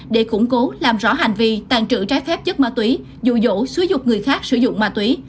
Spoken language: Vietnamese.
để củng cố làm rõ hành vi tàn trự trái phép chất ma túy dụ dỗ sử dụng người khác sử dụng ma túy